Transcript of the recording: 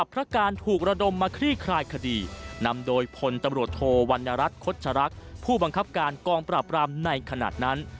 ผู้บังคับการกองปราบรามในขณะนั้น